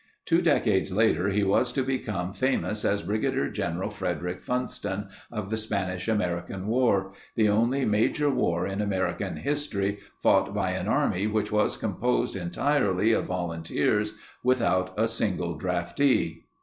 Two decades later he was to become famous as Brigadier General Frederick Funston of the Spanish American War—the only major war in America's history fought by an army which was composed entirely of volunteers without a single draftee.